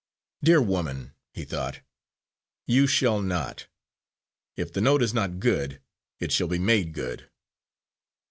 "Dear woman," he thought, "you shall not. If the note is not good, it shall be made good."